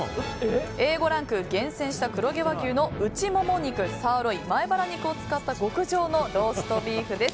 Ａ５ランク、厳選した黒毛和牛の内もも肉サーロイン、前バラ肉を使った極上のローストビーフです。